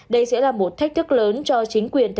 đây sẽ là một thách thức lớn cho chính quyền